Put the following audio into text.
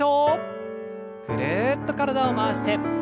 ぐるっと体を回して。